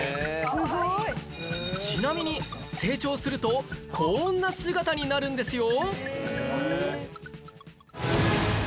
ちなみに成長するとこんな姿になるんですよ